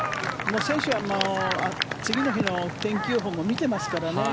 選手は次の日の天気予報も見ていますからね。